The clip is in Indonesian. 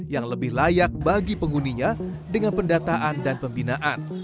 yang lebih layak bagi penghuninya dengan pendataan dan pembinaan